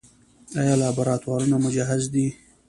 آیا لابراتوارونه مجهز دي؟